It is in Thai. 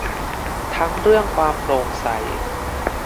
ทั้งเรื่องความโปร่งใส